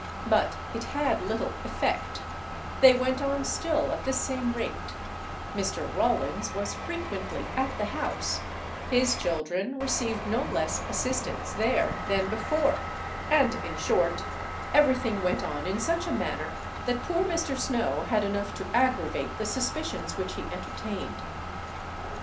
But it had little effect, they went on still at the same rate; Mr. Rawlins was frequently at the house, his children received no less assistance there than before, and in short, everything went on in such a manner that poor Mr. Snow had enough to aggravate the suspicions which he entertained.